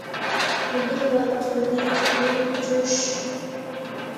مۇدىر ۋارقىرىدى:- يېنىپ چۈش!